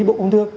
bộ công thương